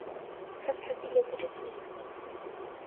کەس حەزی لە جرج نییە.